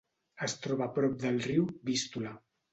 Es troba prop del riu Vístula.